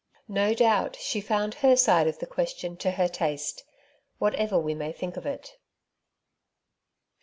No doubt she found her side of the question to her taste, whatever we may think of it.